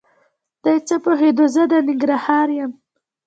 دی څه پوهېده زه د ننګرهار یم؟!